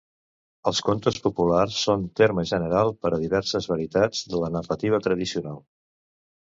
Els contes populars són terme general per a diverses varietats de la narrativa tradicional.